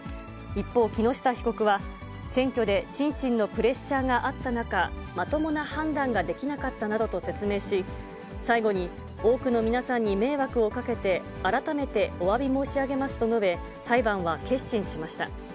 一方、木下被告は、選挙で心身のプレッシャーがあった中、まともな判断ができなかったなどと説明し、最後に多くの皆さんに迷惑をかけて、改めておわび申し上げますと述べ、裁判は結審しました。